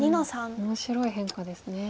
面白い変化ですね。